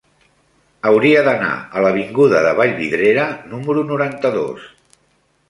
Hauria d'anar a l'avinguda de Vallvidrera número noranta-dos.